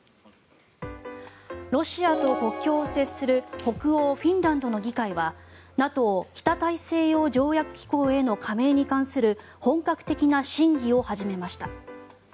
ロシアと国境を接する北欧フィンランドの議会はＮＡＴＯ・北大西洋条約機構への加盟に関する本格的な審議を始めました。